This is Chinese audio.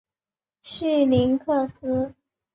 绪林克斯。